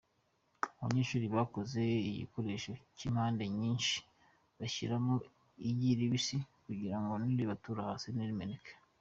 Abanyeshuri bakoze igikoresho cy’impande nyinshi bashyiramo igi ribisi, kugirango nibaritura hasi ntirimeneke.